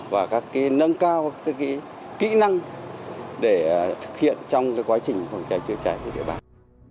và các nâng cao kỹ năng để thực hiện trong quá trình phòng cháy chữa cháy của địa phương